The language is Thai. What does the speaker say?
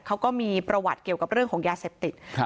เขาก็มีประวัติเกี่ยวกับเรื่องของยาเสพติดครับ